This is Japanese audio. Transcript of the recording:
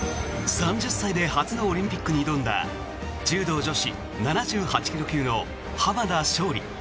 ３０歳で初のオリンピックに挑んだ柔道女子７８ｋｇ級の濱田尚里。